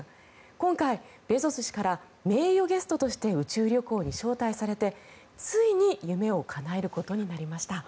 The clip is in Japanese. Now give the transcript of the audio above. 今回、ベゾス氏から名誉ゲストとして宇宙旅行に招待されてついに夢をかなえることになりました。